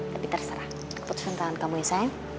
tapi terserah keputusan tangan kamu ya sayang